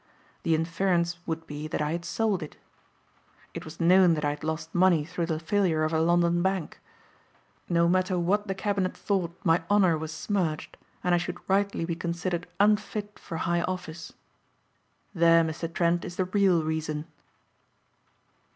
The inference would be that I had sold it. It was known that I had lost money through the failure of a London bank. No matter what the cabinet thought my honor was smirched and I should rightly be considered unfit for high office. There, Mr. Trent, is the real reason."